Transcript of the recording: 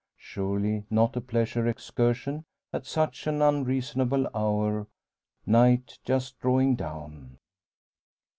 Surely, not a pleasure excursion, at such an unreasonable hour night just drawing down?